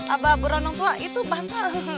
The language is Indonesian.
abah beronong tua itu bantal